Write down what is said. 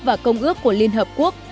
và công ước của liên hợp quốc